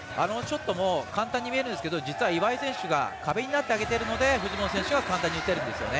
簡単に見えるんですが実は岩井選手が壁になってあげてるので藤本選手が簡単に打てるんですよね。